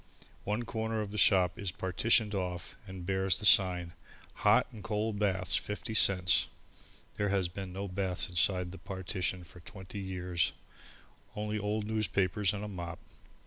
One corner of the shop is partitioned off and bears the sign: HOT AND COLD BATHS, 50 CENTS. There has been no bath inside the partition for twenty years only old newspapers and a mop.